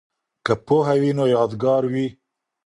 که پوهه وي نو یادګار وي.